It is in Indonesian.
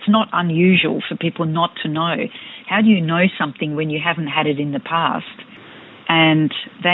mungkin mereka tidak memiliki masalah